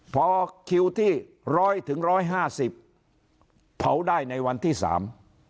พอคิวที่ร้อยถึงร้อยห้าสิบเผาได้ในวันที่สาม